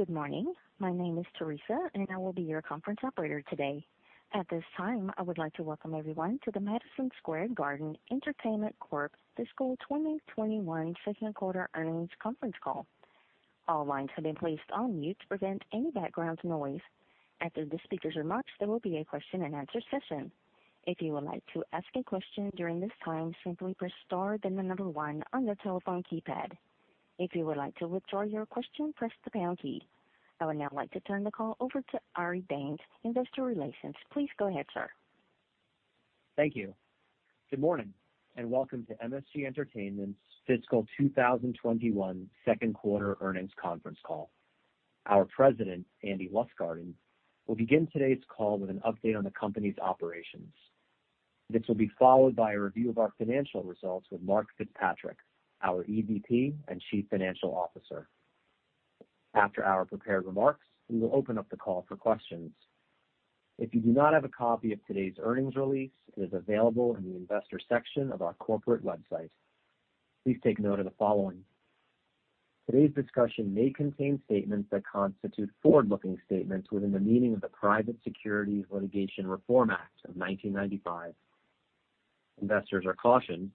Good morning. My name is Theresa, and I will be your conference operator today. At this time, I would like to welcome everyone to the Madison Square Garden Entertainment Corp's fiscal 2021 second quarter earnings conference call. All lines have been placed on mute to prevent any background noise. After the speakers' remarks, there will be a question and answer session. If you would like to ask a question during this time, simply press star then the number one on the telephone keypad. If you would like to withdraw your question, press the pound key. I would now like to turn the call over to Ari Danes, Investor Relations. Please go ahead, sir. Thank you. Good morning and welcome to MSG Entertainment's fiscal 2021 second quarter earnings conference call. Our president, Andy Lustgarten, will begin today's call with an update on the company's operations. This will be followed by a review of our financial results with Mark FitzPatrick, our EVP and Chief Financial Officer. After our prepared remarks, we will open up the call for questions. If you do not have a copy of today's earnings release, it is available in the investor section of our corporate website. Please take note of the following. Today's discussion may contain statements that constitute forward-looking statements within the meaning of the Private Securities Litigation Reform Act of 1995. Investors are cautioned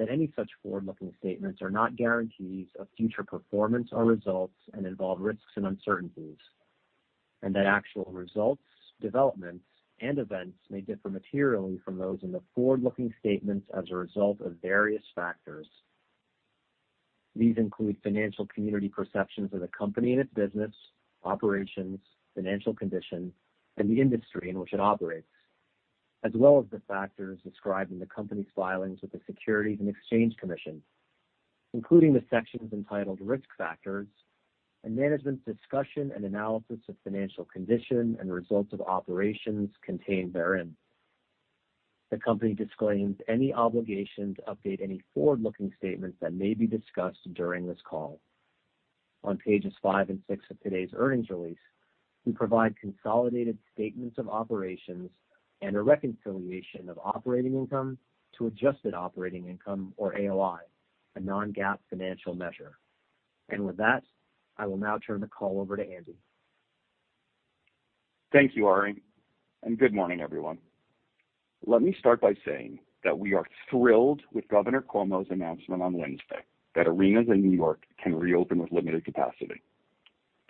that any such forward-looking statements are not guarantees of future performance or results and involve risks and uncertainties, and that actual results, developments, and events may differ materially from those in the forward-looking statements as a result of various factors. These include financial community perceptions of the company and its business, operations, financial condition, and the industry in which it operates, as well as the factors described in the company's filings with the Securities and Exchange Commission, including the sections entitled Risk Factors and management's discussion and analysis of financial condition and results of operations contained therein. The company disclaims any obligation to update any forward-looking statements that may be discussed during this call. On pages five and six of today's earnings release, we provide consolidated statements of operations and a reconciliation of operating income to adjusted operating income, or AOI, a non-GAAP financial measure. With that, I will now turn the call over to Andy. Thank you, Ari, and good morning, everyone. Let me start by saying that we are thrilled with Governor Cuomo's announcement on Wednesday that arenas in New York can reopen with limited capacity.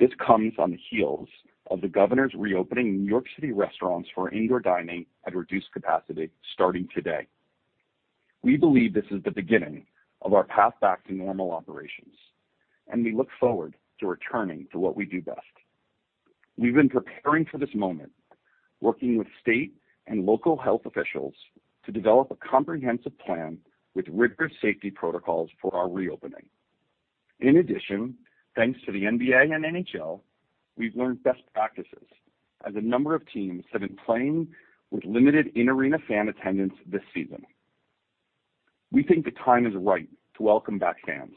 This comes on the heels of the governor's reopening of New York City restaurants for indoor dining at reduced capacity starting today. We believe this is the beginning of our path back to normal operations, and we look forward to returning to what we do best. We've been preparing for this moment, working with state and local health officials to develop a comprehensive plan with rigorous safety protocols for our reopening. In addition, thanks to the NBA and NHL, we've learned best practices as a number of teams have been playing with limited in-arena fan attendance this season. We think the time is right to welcome back fans,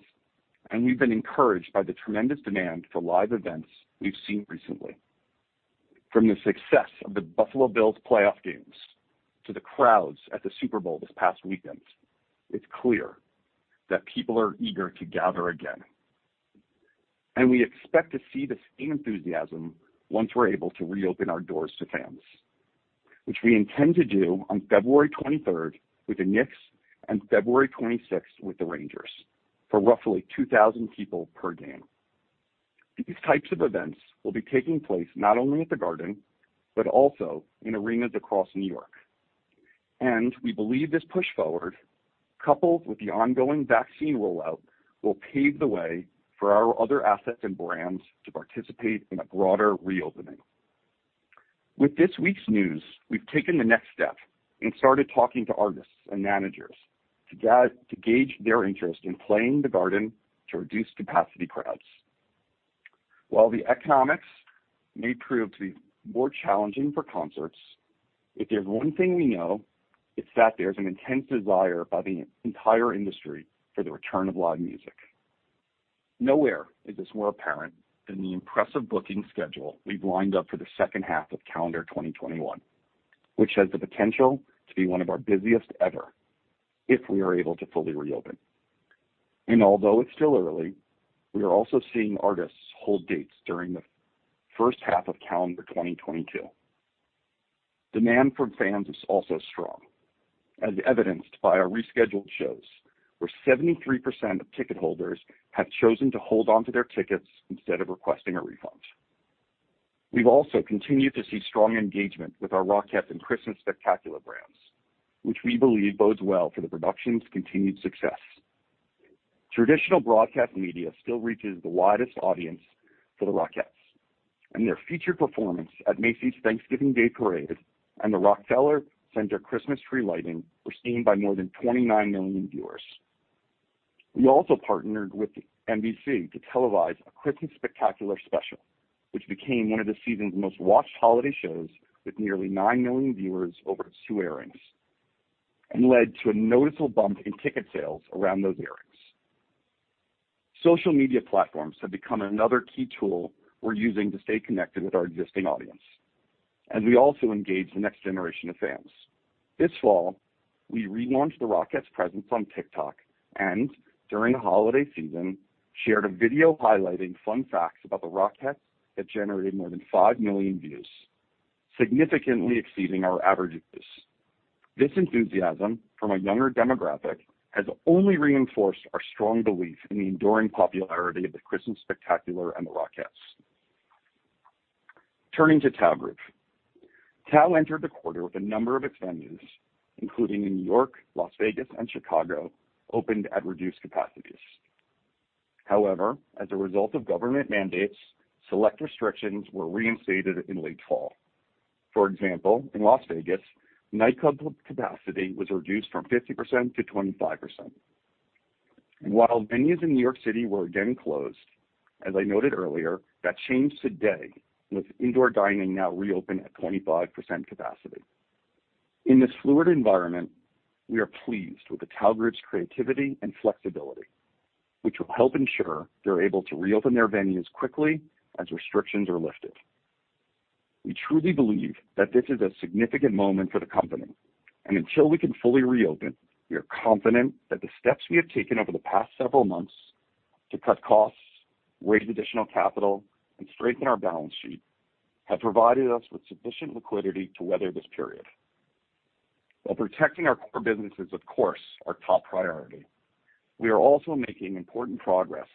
and we've been encouraged by the tremendous demand for live events we've seen recently. From the success of the Buffalo Bills playoff games to the crowds at the Super Bowl this past weekend, it's clear that people are eager to gather again. And we expect to see the same enthusiasm once we're able to reopen our doors to fans, which we intend to do on February 23rd with the Knicks and February 26th with the Rangers for roughly 2,000 people per game. These types of events will be taking place not only at the Garden but also in arenas across New York, and we believe this push forward, coupled with the ongoing vaccine rollout, will pave the way for our other assets and brands to participate in a broader reopening. With this week's news, we've taken the next step and started talking to artists and managers to gauge their interest in playing in the Garden to reduce capacity crowds. While the economics may prove to be more challenging for concerts, if there's one thing we know, it's that there's an intense desire by the entire industry for the return of live music. Nowhere is this more apparent than the impressive booking schedule we've lined up for the second half of calendar 2021, which has the potential to be one of our busiest ever if we are able to fully reopen. And although it's still early, we are also seeing artists hold dates during the first half of calendar 2022. Demand from fans is also strong, as evidenced by our rescheduled shows, where 73% of ticket holders have chosen to hold onto their tickets instead of requesting a refund. We've also continued to see strong engagement with our Rockettes and Christmas Spectacular brands, which we believe bodes well for the production's continued success. Traditional broadcast media still reaches the widest audience for the Rockettes, and their featured performance at Macy's Thanksgiving Day Parade and the Rockefeller Center Christmas Tree Lighting were seen by more than 29 million viewers. We also partnered with NBC to televise a Christmas Spectacular special, which became one of the season's most watched holiday shows with nearly 9 million viewers over two airings, and led to a noticeable bump in ticket sales around those airings. Social media platforms have become another key tool we're using to stay connected with our existing audience, as we also engage the next generation of fans. This fall, we relaunched the Rockettes' presence on TikTok and, during the holiday season, shared a video highlighting fun facts about the Rockettes that generated more than 5 million views, significantly exceeding our average views. This enthusiasm from a younger demographic has only reinforced our strong belief in the enduring popularity of the Christmas Spectacular and the Rockettes. Turning to Tao Group, Tao entered the quarter with a number of expenditures, including in New York, Las Vegas, and Chicago, opened at reduced capacities. However, as a result of government mandates, select restrictions were reinstated in late fall. For example, in Las Vegas, nightclub capacity was reduced from 50% to 25%. And while venues in New York City were again closed, as I noted earlier, that changed today with indoor dining now reopened at 25% capacity. In this fluid environment, we are pleased with Tao Group's creativity and flexibility, which will help ensure they're able to reopen their venues quickly as restrictions are lifted. We truly believe that this is a significant moment for the company, and until we can fully reopen, we are confident that the steps we have taken over the past several months to cut costs, raise additional capital, and strengthen our balance sheet have provided us with sufficient liquidity to weather this period. While protecting our core business is, of course, our top priority, we are also making important progress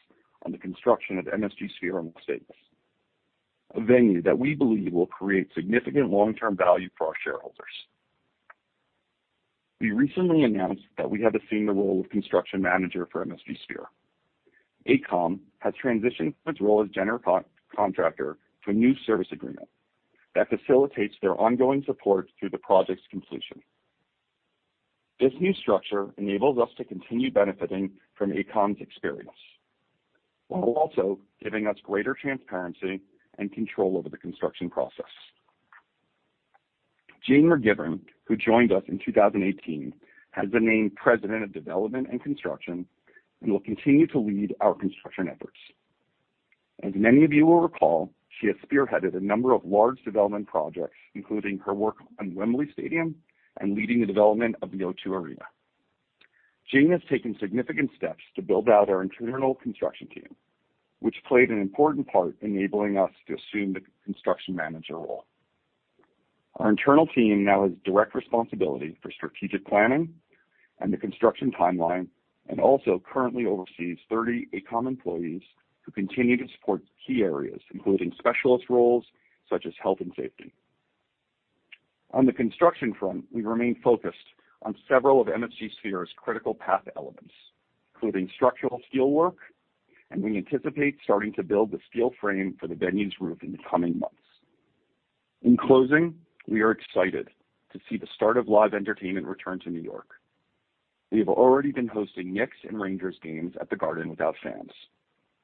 on the construction of MSG Sphere in Las Vegas, a venue that we believe will create significant long-term value for our shareholders. We recently announced that we have assumed the role of construction manager for MSG Sphere. AECOM has transitioned from its role as general contractor to a new service agreement that facilitates their ongoing support through the project's completion. This new structure enables us to continue benefiting from AECOM's experience while also giving us greater transparency and control over the construction process. Jayne McGivern, who joined us in 2018, has been named President of Development and Construction and will continue to lead our construction efforts. As many of you will recall, she has spearheaded a number of large development projects, including her work on Wembley Stadium and leading the development of The O2 Arena. Jayne has taken significant steps to build out our internal construction team, which played an important part in enabling us to assume the construction manager role. Our internal team now has direct responsibility for strategic planning and the construction timeline and also currently oversees 30 AECOM employees who continue to support key areas, including specialist roles such as health and safety. On the construction front, we remain focused on several of MSG Sphere's critical path elements, including structural steel work, and we anticipate starting to build the steel frame for the venue's roof in the coming months. In closing, we are excited to see the start of live entertainment return to New York. We have already been hosting Knicks and Rangers games at the Garden without fans,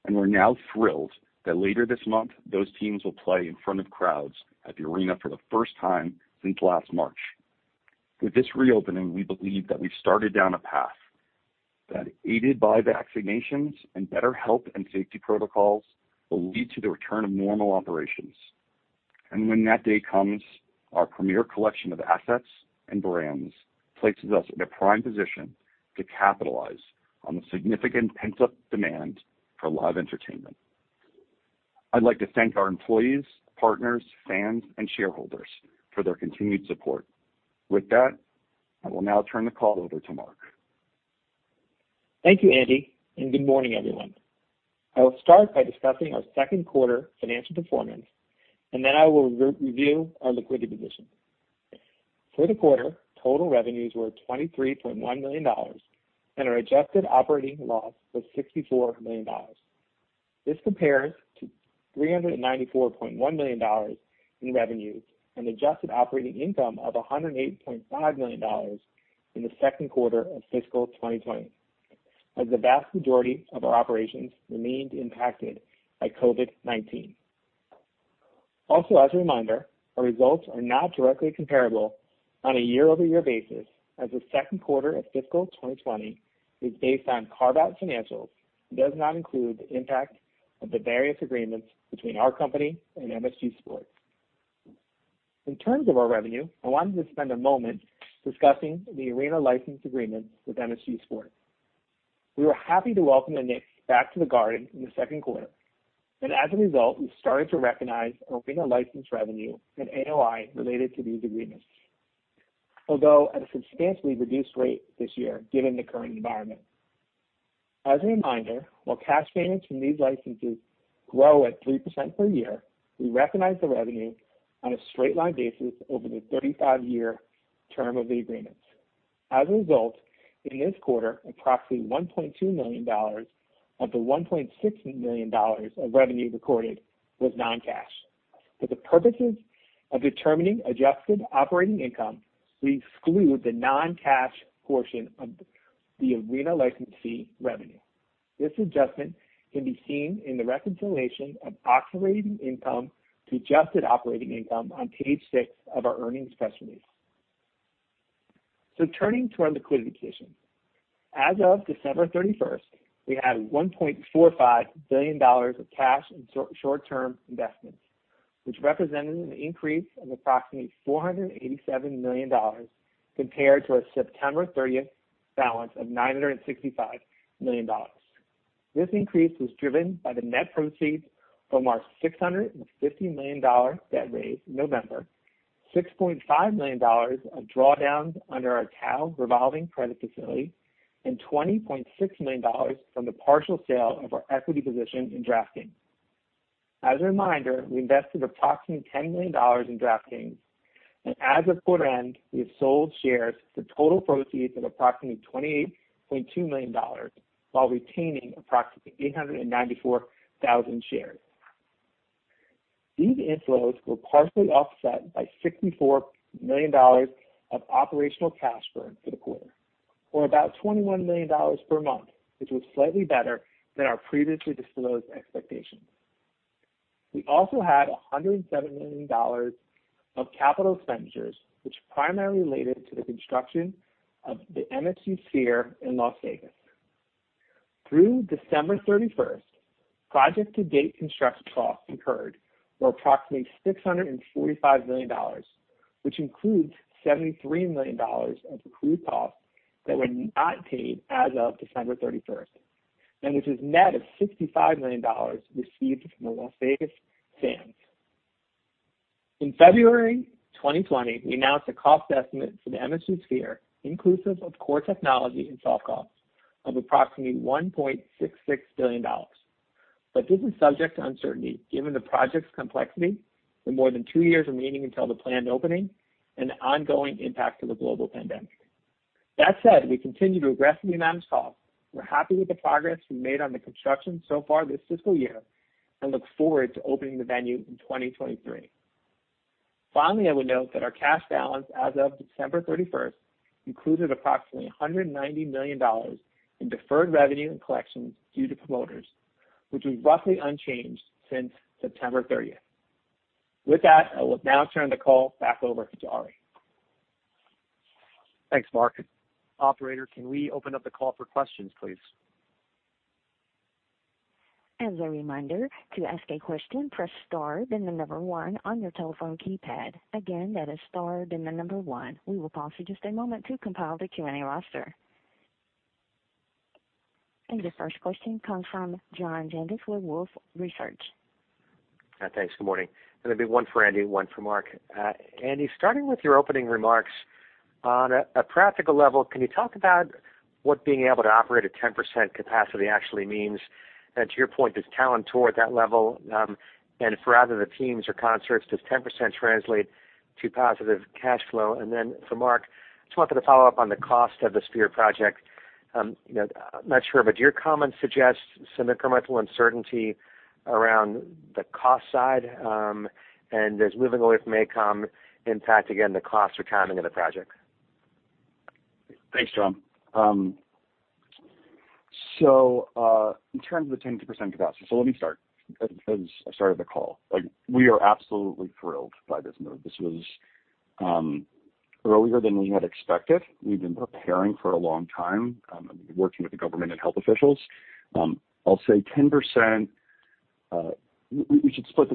and we're now thrilled that later this month those teams will play in front of crowds at the arena for the first time since last March. With this reopening, we believe that we've started down a path that, aided by vaccinations and better health and safety protocols, will lead to the return of normal operations. And when that day comes, our premier collection of assets and brands places us in a prime position to capitalize on the significant pent-up demand for live entertainment. I'd like to thank our employees, partners, fans, and shareholders for their continued support. With that, I will now turn the call over to Mark. Thank you, Andy, and good morning, everyone. I will start by discussing our second quarter financial performance, and then I will review our liquidity position. For the quarter, total revenues were $23.1 million and our adjusted operating loss was $64 million. This compares to $394.1 million in revenues and adjusted operating income of $108.5 million in the second quarter of fiscal 2020, as the vast majority of our operations remained impacted by COVID-19. Also, as a reminder, our results are not directly comparable on a year-over-year basis, as the second quarter of fiscal 2020 is based on carve-out financials and does not include the impact of the various agreements between our company and MSG Sports. In terms of our revenue, I wanted to spend a moment discussing the arena license agreement with MSG Sports. We were happy to welcome the Knicks back to the Garden in the second quarter, and as a result, we started to recognize arena license revenue and AOI related to these agreements, although at a substantially reduced rate this year given the current environment. As a reminder, while cash payments from these licenses grow at 3% per year, we recognize the revenue on a straight-line basis over the 35-year term of the agreements. As a result, in this quarter, approximately $1.2 million of the $1.6 million of revenue recorded was non-cash. For the purposes of determining adjusted operating income, we exclude the non-cash portion of the arena license fee revenue. This adjustment can be seen in the reconciliation of operating income to adjusted operating income on page six of our earnings press release. So turning to our liquidity position, as of December 31st, we had $1.45 billion of cash and short-term investments, which represented an increase of approximately $487 million compared to our September 30th balance of $965 million. This increase was driven by the net proceeds from our $650 million debt raise in November, $6.5 million of drawdowns under our Tao revolving credit facility, and $20.6 million from the partial sale of our equity position in DraftKings. As a reminder, we invested approximately $10 million in DraftKings, and as of quarter end, we have sold shares for total proceeds of approximately $28.2 million while retaining approximately 894,000 shares. These inflows were partially offset by $64 million of operational cash burn for the quarter, or about $21 million per month, which was slightly better than our previously disclosed expectations. We also had $107 million of capital expenditures, which primarily related to the construction of the MSG Sphere in Las Vegas. Through December 31st, project-to-date construction costs incurred were approximately $645 million, which includes $73 million of accrued costs that were not paid as of December 31st, and which is net of $65 million received from the Las Vegas Sands. In February 2020, we announced a cost estimate for the MSG Sphere, inclusive of core technology and soft costs, of approximately $1.66 billion, but this is subject to uncertainty given the project's complexity, the more than two years remaining until the planned opening, and the ongoing impact of the global pandemic. That said, we continue to aggressively manage costs. We're happy with the progress we've made on the construction so far this fiscal year and look forward to opening the venue in 2023. Finally, I would note that our cash balance as of December 31st included approximately $190 million in deferred revenue and collections due to promoters, which was roughly unchanged since September 30th. With that, I will now turn the call back over to Ari. Thanks, Mark. Operator, can we open up the call for questions, please? As a reminder, to ask a question, press star then the number one on your telephone keypad. Again, that is star then the number one. We will pause for just a moment to compile the Q&A roster. And the first question comes from John Janedis with Wolfe Research. Thanks. Good morning. And there'll be one for Andy, one for Mark. Andy, starting with your opening remarks, on a practical level, can you talk about what being able to operate at 10% capacity actually means? And to your point, does talent tour at that level? And for either the teams or concerts, does 10% translate to positive cash flow? And then for Mark, I just wanted to follow up on the cost of the Sphere project. I'm not sure, but your comments suggest some incremental uncertainty around the cost side, and does moving away from AECOM impact, again, the cost certainty of the project? Thanks, John. So in terms of the 10% capacity, so let me start as I started the call. We are absolutely thrilled by this move. This was earlier than we had expected. We've been preparing for a long time, working with the government and health officials. I'll say 10%, we should split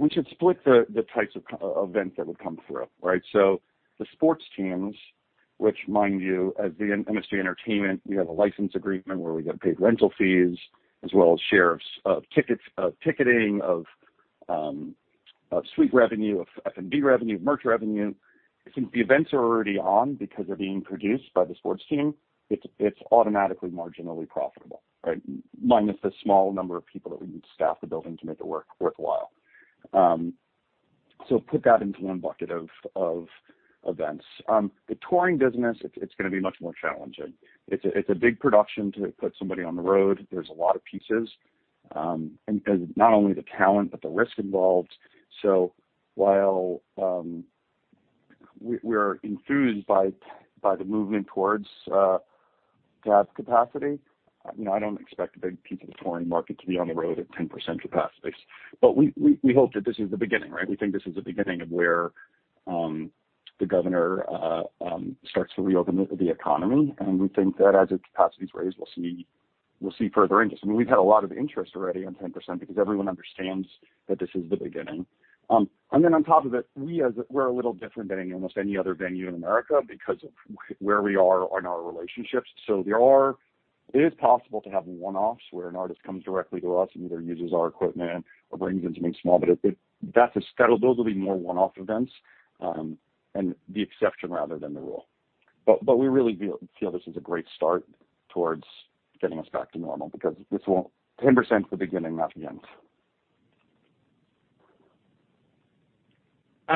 the types of events that would come through, right? So the sports teams, which, mind you, as the MSG Entertainment, we have a license agreement where we get paid rental fees, as well as shares of ticketing, of suite revenue, of F&B revenue, of merch revenue. Since the events are already on because they're being produced by the sports team, it's automatically marginally profitable, right? Minus the small number of people that we need to staff the building to make it worthwhile. So put that into one bucket of events. The touring business, it's going to be much more challenging. It's a big production to put somebody on the road. There's a lot of pieces, not only the talent but the risk involved. So, while we're enthused by the movement towards indoor capacity, I don't expect a big piece of the touring market to be on the road at 10% capacity. But we hope that this is the beginning, right? We think this is the beginning of where the governor starts to reopen the economy, and we think that as its capacity is raised, we'll see further interest. I mean, we've had a lot of interest already on 10% because everyone understands that this is the beginning. And then on top of it, we're a little different than almost any other venue in America because of where we are on our relationships. So it is possible to have one-offs where an artist comes directly to us and either uses our equipment or brings in something small, but that's a scalability more one-off events and the exception rather than the rule. But we really feel this is a great start towards getting us back to normal because this won't 10% at the beginning, not the end.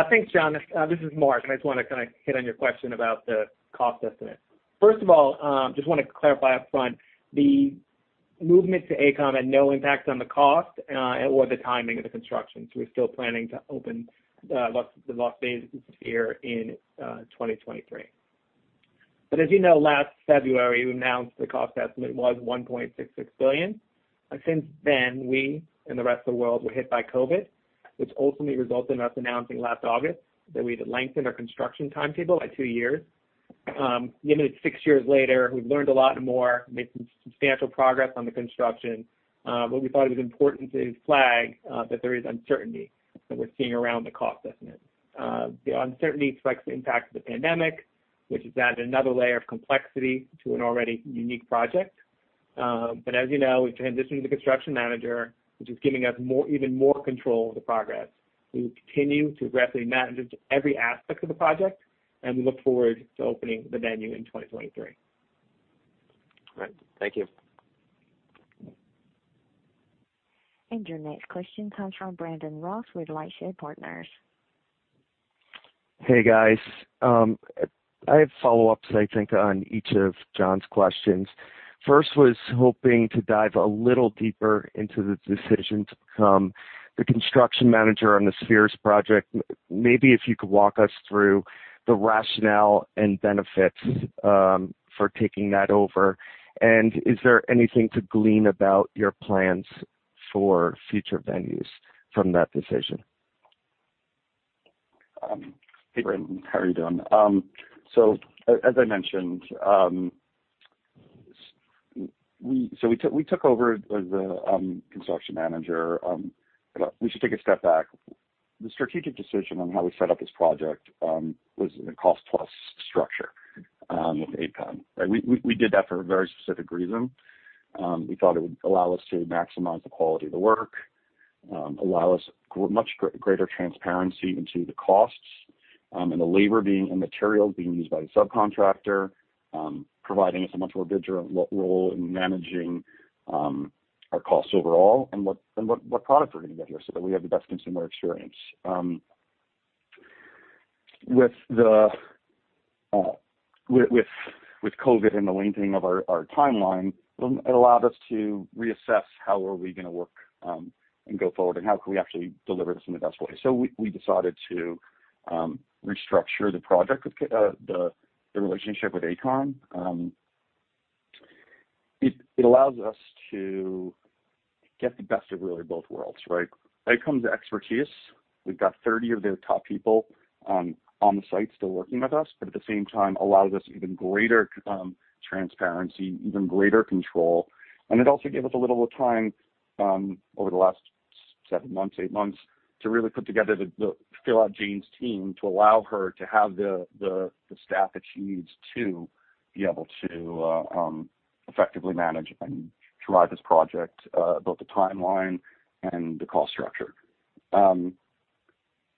Thanks, John. This is Mark. I just want to kind of hit on your question about the cost estimate. First of all, just want to clarify upfront, the movement to AECOM had no impact on the cost or the timing of the construction. So we're still planning to open the Las Vegas Sphere in 2023. But as you know, last February, we announced the cost estimate was $1.66 billion. Since then, we and the rest of the world were hit by COVID, which ultimately resulted in us announcing last August that we had to lengthen our construction timetable by two years. Given it's six years later, we've learned a lot more, made some substantial progress on the construction. What we thought it was important to flag is that there is uncertainty that we're seeing around the cost estimate. The uncertainty reflects the impact of the pandemic, which has added another layer of complexity to an already unique project. But as you know, we've transitioned to the Construction Manager, which is giving us even more control of the progress. We will continue to aggressively manage every aspect of the project, and we look forward to opening the venue in 2023. All right. Thank you. Your next question comes from Brandon Ross with LightShed Partners. Hey, guys. I have follow-ups, I think, on each of John's questions. First was hoping to dive a little deeper into the decision to become the construction manager on the Sphere's project. Maybe if you could walk us through the rationale and benefits for taking that over and is there anything to glean about your plans for future venues from that decision? Hey, Brandon. How are you doing? So as I mentioned, we took over as the construction manager. We should take a step back. The strategic decision on how we set up this project was a cost-plus structure with AECOM, right? We did that for a very specific reason. We thought it would allow us to maximize the quality of the work, allow us much greater transparency into the costs and the labor and materials being used by the subcontractor, providing us a much more vigilant role in managing our costs overall and what product we're going to get here so that we have the best consumer experience. With COVID and the lengthening of our timeline, it allowed us to reassess how are we going to work and go forward and how can we actually deliver this in the best way. So we decided to restructure the project, the relationship with AECOM. It allows us to get the best of really both worlds, right? When it comes to expertise. We've got 30 of their top people on the site still working with us, but at the same time, allows us even greater transparency, even greater control. And it also gave us a little more time over the last seven months, eight months, to really put together Jayne's team to allow her to have the staff that she needs to be able to effectively manage and drive this project, both the timeline and the cost structure. And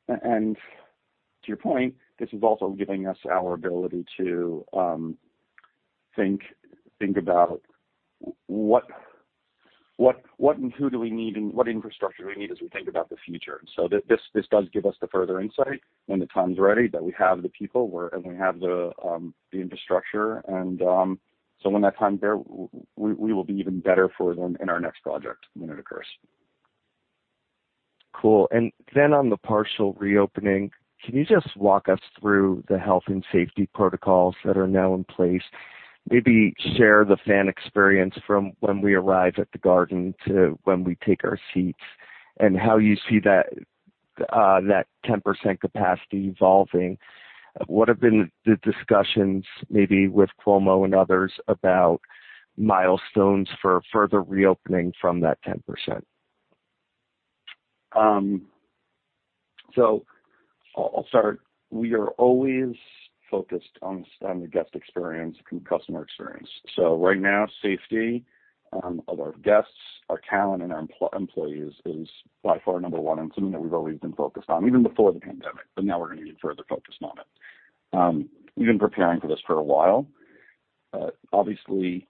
to your point, this is also giving us our ability to think about what and who do we need and what infrastructure do we need as we think about the future. So this does give us the further insight when the time's ready that we have the people and we have the infrastructure. And so when that time's there, we will be even better for them in our next project when it occurs. Cool. And then on the partial reopening, can you just walk us through the health and safety protocols that are now in place? Maybe share the fan experience from when we arrive at the Garden to when we take our seats and how you see that 10% capacity evolving. What have been the discussions maybe with Cuomo and others about milestones for further reopening from that 10%? I'll start. We are always focused on the guest experience and customer experience. Right now, safety of our guests, our talent, and our employees is by far number one and something that we've always been focused on, even before the pandemic, but now we're going to be further focused on it. We've been preparing for this for a while. Obviously,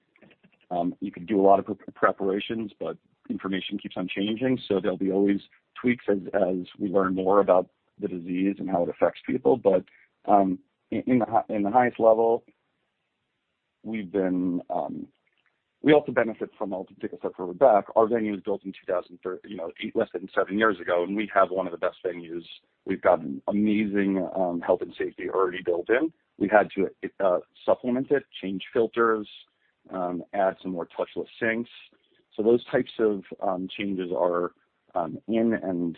you could do a lot of preparations, but information keeps on changing, so there'll be always tweaks as we learn more about the disease and how it affects people. But at the highest level, we also benefit from, I'll take a step further back. Our venue was built in less than seven years ago, and we have one of the best venues. We've got amazing health and safety already built in. We had to supplement it, change filters, add some more touchless sinks. So those types of changes are in and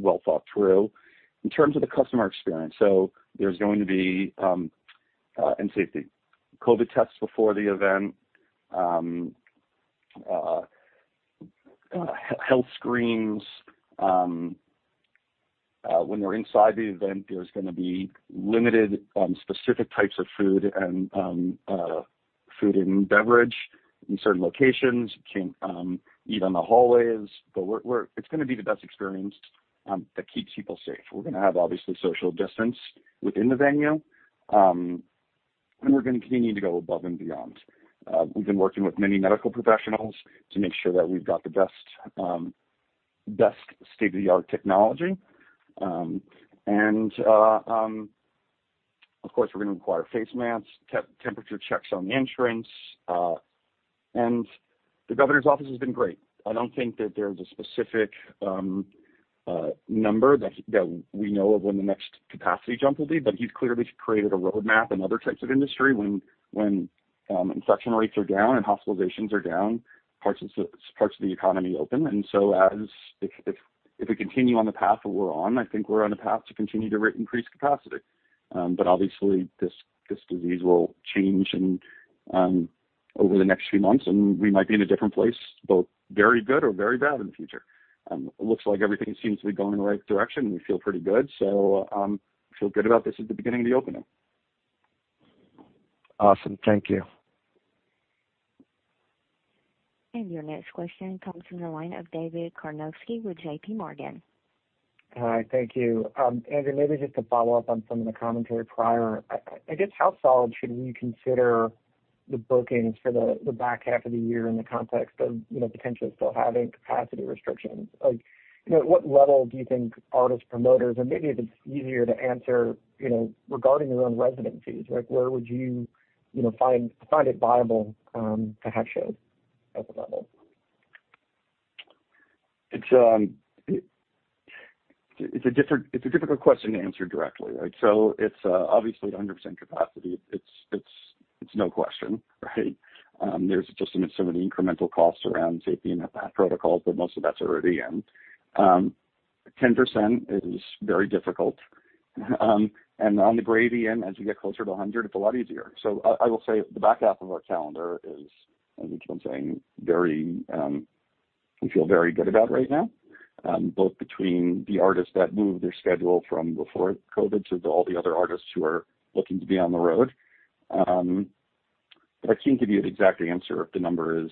well thought through. In terms of the customer experience, so there's going to be safety, COVID tests before the event, health screens. When we're inside the event, there's going to be limited specific types of food and beverage in certain locations. You can't eat on the hallways, but it's going to be the best experience that keeps people safe. We're going to have, obviously, social distance within the venue, and we're going to continue to go above and beyond. We've been working with many medical professionals to make sure that we've got the best state-of-the-art technology. And of course, we're going to require face masks, temperature checks on the entrance. And the governor's office has been great. I don't think that there's a specific number that we know of when the next capacity jump will be, but he's clearly created a roadmap in other types of industry. When infection rates are down and hospitalizations are down, parts of the economy open. And so if we continue on the path that we're on, I think we're on a path to continue to increase capacity. But obviously, this disease will change over the next few months, and we might be in a different place, both very good or very bad in the future. It looks like everything seems to be going in the right direction, and we feel pretty good. So I feel good about this as the beginning of the opening. Awesome. Thank you. Your next question comes from the line of David Karnovsky with J.P. Morgan. Hi. Thank you. Andy, maybe just to follow up on some of the commentary prior, I guess how solid should we consider the bookings for the back half of the year in the context of potentially still having capacity restrictions? At what level do you think artist promoters, and maybe if it's easier to answer regarding your own residencies, where would you find it viable to have shows at the level? It's a difficult question to answer directly, right? So it's obviously 100% capacity. It's no question, right? There's just some of the incremental costs around safety and the protocols, but most of that's already in. 10% is very difficult. And on the gradual end, as we get closer to 100, it's a lot easier. So I will say the back half of our calendar is, as we've been saying, we feel very good about right now, both between the artists that move their schedule from before COVID to all the other artists who are looking to be on the road. But I can't give you an exact answer if the number is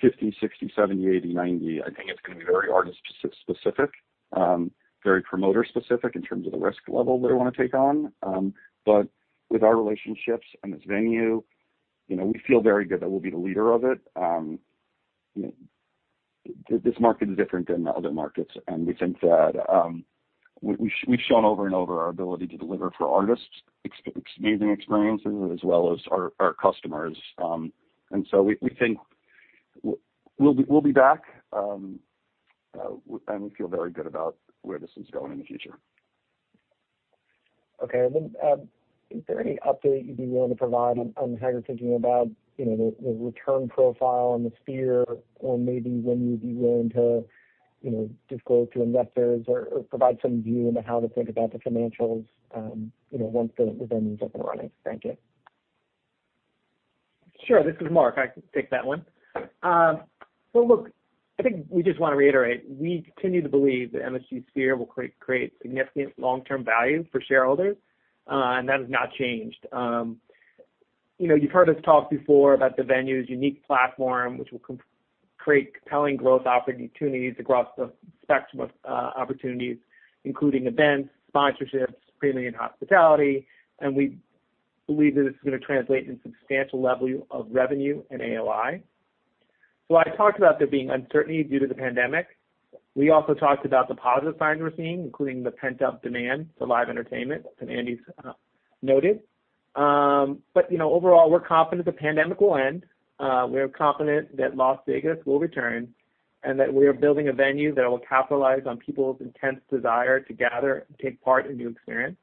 50, 60, 70, 80, 90. I think it's going to be very artist-specific, very promoter-specific in terms of the risk level they want to take on. But with our relationships and this venue, we feel very good that we'll be the leader of it. This market is different than other markets, and we think that we've shown over and over our ability to deliver for artists, amazing experiences, as well as our customers. And so we think we'll be back, and we feel very good about where this is going in the future. Okay. And then is there any update you'd be willing to provide on how you're thinking about the return profile and the Sphere, or maybe when you'd be willing to just go to investors or provide some view into how to think about the financials once the venue's up and running? Thank you. Sure. This is Mark. I can take that one. Well, look, I think we just want to reiterate, we continue to believe that MSG Sphere will create significant long-term value for shareholders, and that has not changed. You've heard us talk before about the venue's unique platform, which will create compelling growth opportunities across the spectrum of opportunities, including events, sponsorships, premium, and hospitality, and we believe that this is going to translate in a substantial level of revenue and AOI, so I talked about there being uncertainty due to the pandemic. We also talked about the positive signs we're seeing, including the pent-up demand for live entertainment, as Andy's noted, but overall, we're confident the pandemic will end. We're confident that Las Vegas will return and that we are building a venue that will capitalize on people's intense desire to gather and take part in new experience.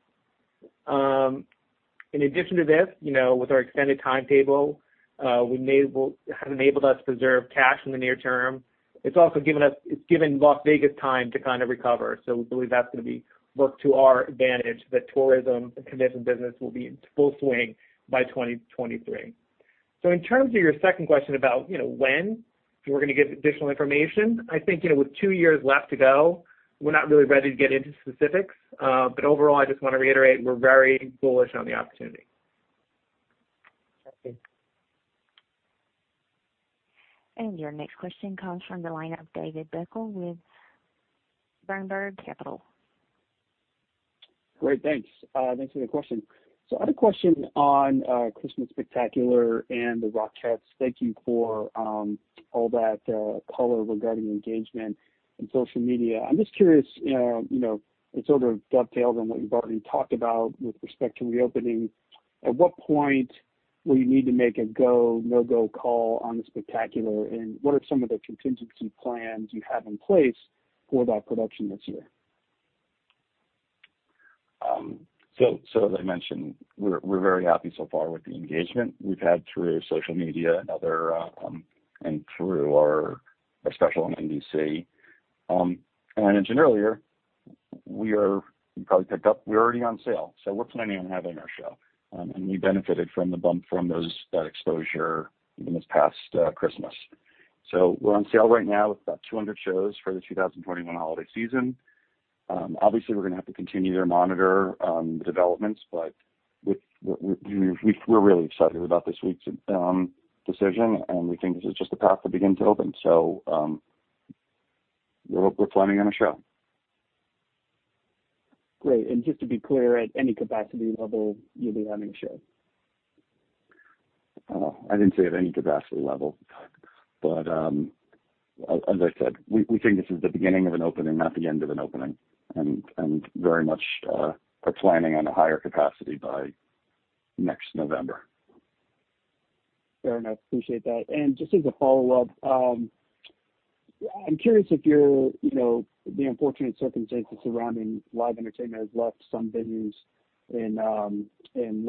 In addition to this, with our extended timetable, it has enabled us to preserve cash in the near term. It's also given Las Vegas time to kind of recover. So we believe that's going to work to our advantage that tourism and convention business will be in full swing by 2023. So in terms of your second question about when, if you were going to give additional information, I think with two years left to go, we're not really ready to get into specifics. But overall, I just want to reiterate, we're very bullish on the opportunity. Thank you. Your next question comes from the line of David Beckel with Berenberg Capital. Great. Thanks. Thanks for the question. So I have a question on Christmas Spectacular and the Rockettes. Thank you for all that color regarding engagement and social media. I'm just curious, it sort of dovetails on what you've already talked about with respect to reopening. At what point will you need to make a go, no-go call on the Spectacular? And what are some of the contingency plans you have in place for that production this year? So as I mentioned, we're very happy so far with the engagement. We've had through social media and through our special on NBC. And I mentioned earlier, you probably picked up, we're already on sale. So we're planning on having our show. And we benefited from the bump from that exposure this past Christmas. So we're on sale right now with about 200 shows for the 2021 holiday season. Obviously, we're going to have to continue to monitor the developments, but we're really excited about this week's decision, and we think this is just the path to begin to open. So we're planning on a show. Great. And just to be clear, at any capacity level, you'll be having a show? I didn't say at any capacity level, but as I said, we think this is the beginning of an opening, not the end of an opening, and very much are planning on a higher capacity by next November. Fair enough. Appreciate that. And just as a follow-up, I'm curious if the unfortunate circumstances surrounding live entertainment have left some venues in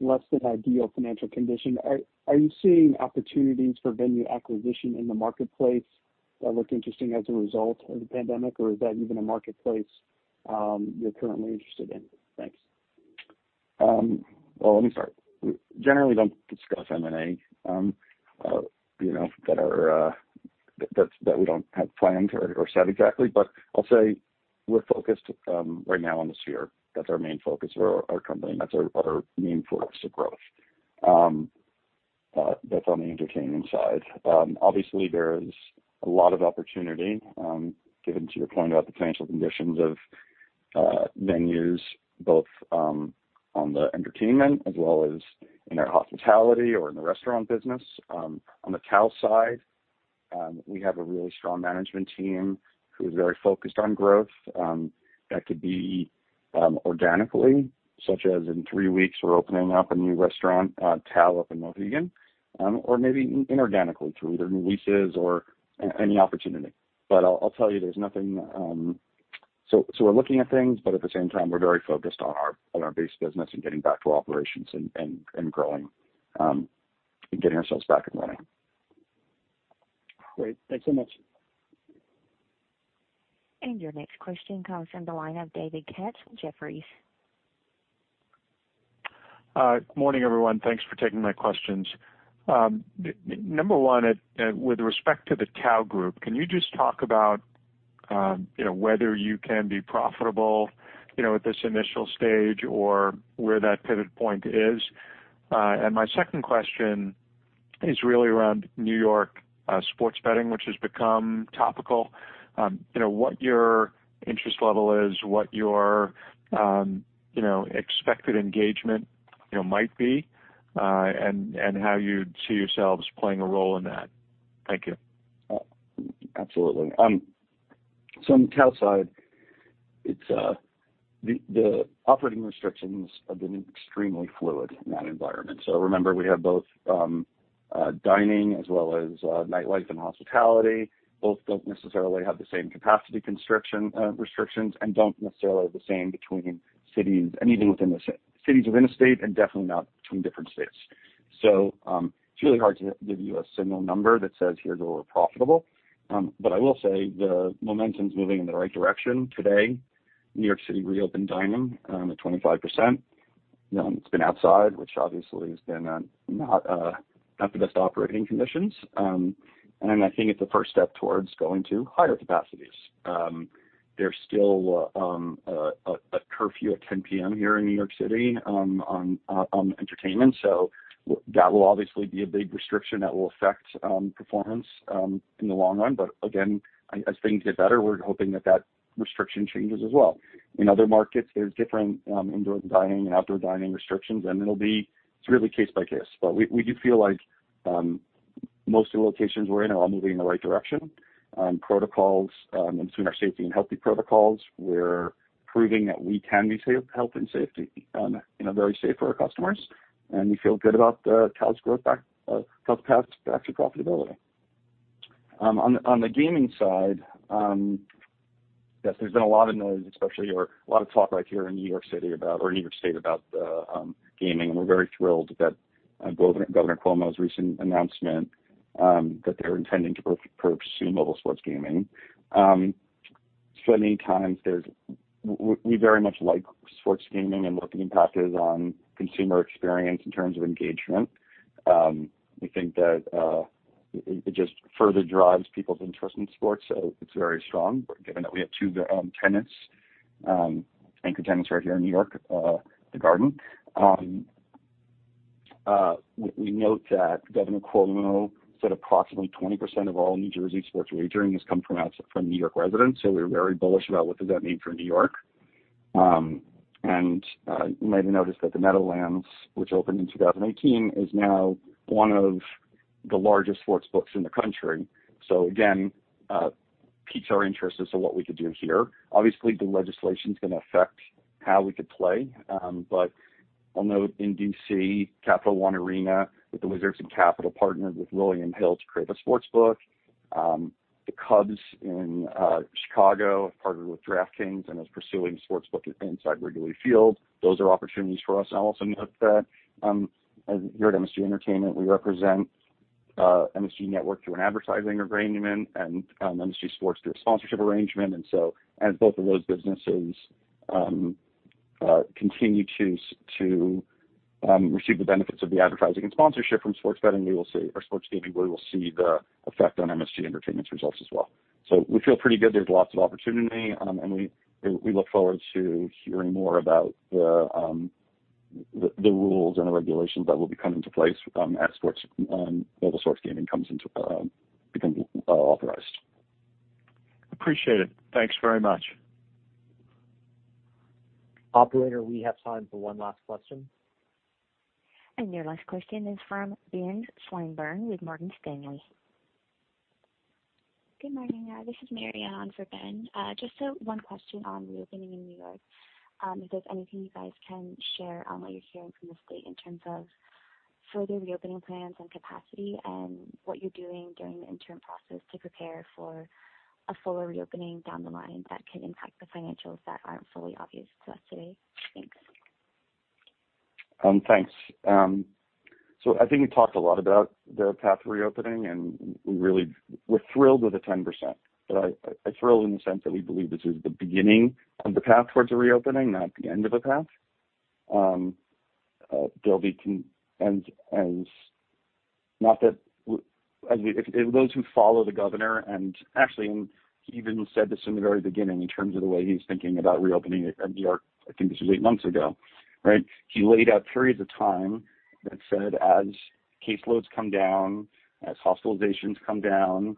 less than ideal financial condition. Are you seeing opportunities for venue acquisition in the marketplace that look interesting as a result of the pandemic, or is that even a marketplace you're currently interested in? Thanks. Let me start. We generally don't discuss M&A that we don't have planned or set exactly, but I'll say we're focused right now on the Sphere. That's our main focus for our company. That's our main focus of growth. That's on the entertainment side. Obviously, there is a lot of opportunity, given to your point about the financial conditions of venues, both on the entertainment as well as in our hospitality or in the restaurant business. On the Tao side, we have a really strong management team who is very focused on growth that could be organically, such as in three weeks, we're opening up a new restaurant, a Tao up in Mohegan, or maybe inorganically through either new leases or any opportunity. But I'll tell you, there's nothing, so we're looking at things, but at the same time, we're very focused on our base business and getting back to operations and growing and getting ourselves back and running. Great. Thanks so much. And your next question comes from the line of David Katz, Jefferies. Good morning, everyone. Thanks for taking my questions. Number one, with respect to the Tao Group, can you just talk about whether you can be profitable at this initial stage or where that pivot point is? And my second question is really around New York sports betting, which has become topical. What your interest level is, what your expected engagement might be, and how you'd see yourselves playing a role in that? Thank you. Absolutely. So on the Tao side, the operating restrictions have been extremely fluid in that environment. So remember, we have both dining as well as nightlife and hospitality. Both don't necessarily have the same capacity restrictions and don't necessarily have the same between cities and even within the cities within a state and definitely not between different states. So it's really hard to give you a single number that says, "Here's where we're profitable." But I will say the momentum's moving in the right direction. Today, New York City reopened dining at 25%. It's been outside, which obviously has been not the best operating conditions. And I think it's a first step towards going to higher capacities. There's still a curfew at 10:00 P.M. here in New York City on entertainment. So that will obviously be a big restriction that will affect performance in the long run. But again, as things get better, we're hoping that that restriction changes as well. In other markets, there's different indoor dining and outdoor dining restrictions, and it'll be really case by case. But we do feel like most of the locations we're in are all moving in the right direction. And our safety and health protocols, we're proving that we can be healthy and safe and very safe for our customers. And we feel good about the Tao's growth, Tao's pass-through profitability. On the gaming side, yes, there's been a lot of noise, especially, a lot of talk right here in New York City or New York State about gaming. And we're very thrilled that Governor Cuomo's recent announcement that they're intending to pursue mobile sports gaming. So many times, we very much like sports gaming and what the impact is on consumer experience in terms of engagement. We think that it just further drives people's interest in sports, so it's very strong, given that we have two tenants, anchor tenants right here in New York, the Garden. We note that Governor Cuomo said approximately 20% of all New Jersey sports wagering has come from New York residents, so we're very bullish about what does that mean for New York, and you might have noticed that the Meadowlands, which opened in 2018, is now one of the largest sports books in the country, so again, it piques our interest as to what we could do here. Obviously, the legislation is going to affect how we could play, but I'll note in DC, Capital One Arena with the Wizards and Capital partnered with William Hill to create a sports book. The Cubs in Chicago have partnered with DraftKings and are pursuing a sports book inside Wrigley Field. Those are opportunities for us, and I'll also note that here at MSG Entertainment, we represent MSG Network through an advertising arrangement and MSG Sports through a sponsorship arrangement, and so as both of those businesses continue to receive the benefits of the advertising and sponsorship from sports betting, we will see our sports gaming, we will see the effect on MSG Entertainment's results as well, so we feel pretty good. There's lots of opportunity, and we look forward to hearing more about the rules and the regulations that will be coming into place as mobile sports gaming becomes authorized. Appreciate it. Thanks very much. Operator, we have time for one last question. And your last question is from Ben Swinburne with Morgan Stanley. Good morning. This is Mary on for Ben. Just one question on reopening in New York. If there's anything you guys can share on what you're hearing from the state in terms of further reopening plans and capacity and what you're doing during the interim process to prepare for a fuller reopening down the line that can impact the financials that aren't fully obvious to us today? Thanks. Thanks. So I think we talked a lot about the path to reopening, and we're thrilled with the 10%. But I'm thrilled in the sense that we believe this is the beginning of the path towards a reopening, not the end of a path. There'll be more. Not that those who follow the governor and actually, and he even said this in the very beginning in terms of the way he's thinking about reopening in New York. I think this was eight months ago, right? He laid out periods of time that said as caseloads come down, as hospitalizations come down,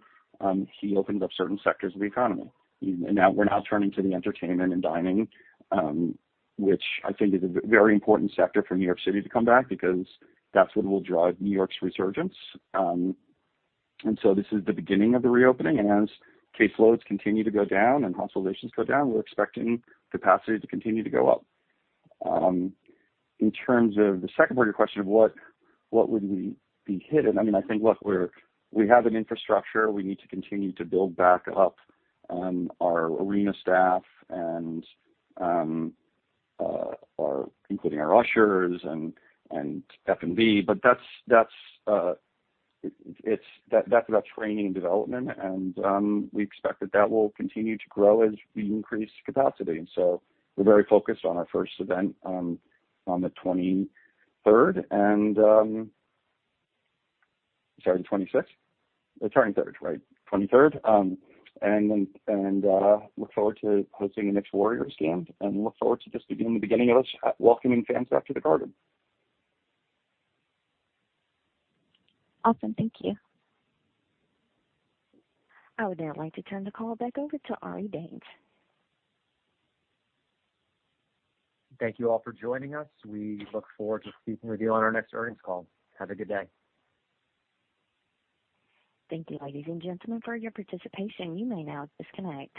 he opens up certain sectors of the economy. We're now turning to the entertainment and dining, which I think is a very important sector for New York City to come back because that's what will drive New York's resurgence. And so this is the beginning of the reopening. As caseloads continue to go down and hospitalizations go down, we're expecting capacity to continue to go up. In terms of the second part of your question of what would we be hitting, I mean, I think, look, we have an infrastructure. We need to continue to build back up our arena staff, including our ushers and F&B. But that's about training and development, and we expect that that will continue to grow as we increase capacity. And so we're very focused on our first event on the 23rd and sorry, the 26th. The 23rd, right? 23rd. And look forward to hosting the next Warriors game and look forward to just being the beginning of us welcoming fans back to the Garden. Awesome. Thank you. I would now like to turn the call back over to Ari Danes. Thank you all for joining us. We look forward to speaking with you on our next earnings call. Have a good day. Thank you, ladies and gentlemen, for your participation. You may now disconnect.